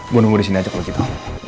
gue nunggu disini aja kalau gitu